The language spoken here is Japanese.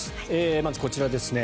まず、こちらですね。